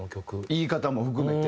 言い方も含めて。